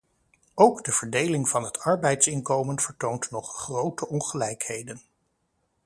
Ook de verdeling van het arbeidsinkomen vertoont nog grote ongelijkheden.